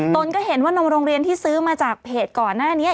ตนก็เห็นว่านมโรงเรียนที่ซื้อมาจากเพจก่อนหน้านี้